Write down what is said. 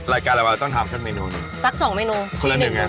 รายการอะไรต้องทำซักเมนูหนึ่ง